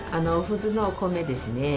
普通の米ですね。